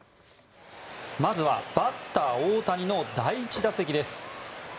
まずはバッター大谷の第１打席です。